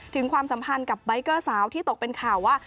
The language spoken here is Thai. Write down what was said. ความสัมพันธ์กับใบเกอร์สาวที่ตกเป็นข่าวว่า